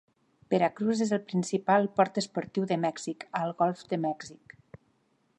Veracruz és el principal port esportiu de Mèxic al golf de Mèxic.